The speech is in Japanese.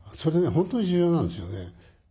本当に重要なんですよね。